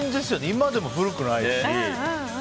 今でも古くないし。